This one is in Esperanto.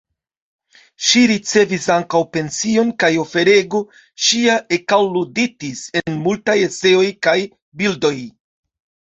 Ŝi ricevis ankaŭ pension kaj oferego ŝia ekalluditis en multaj eseoj kaj bildoj.